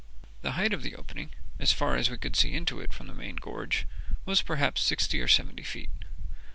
The height of the opening, is far as we could see into it from the main gorge, was perhaps sixty or seventy feet.